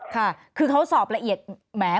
ค่ะคือเขาสอบละเอียดแหม